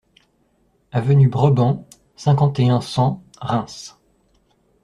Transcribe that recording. Avenue Brebant, cinquante et un, cent Reims